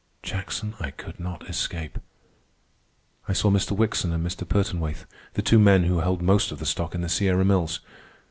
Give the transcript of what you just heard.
Jackson I could not escape. I saw Mr. Wickson and Mr. Pertonwaithe, the two men who held most of the stock in the Sierra Mills.